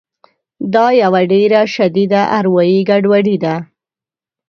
دا یوه ډېره شدیده اروایي ګډوډي ده